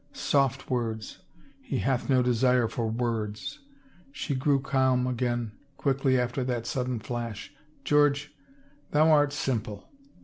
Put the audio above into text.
Soft words! He hath no desire for words." She grew calm again quickly after that sudden flash. " George, thou art sim ple.